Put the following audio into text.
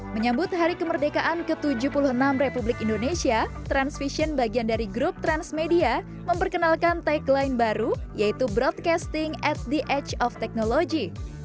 menyambut hari kemerdekaan ke tujuh puluh enam republik indonesia transvision bagian dari grup transmedia memperkenalkan tagline baru yaitu broadcasting at the age of technology